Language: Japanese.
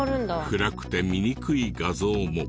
暗くて見にくい画像も。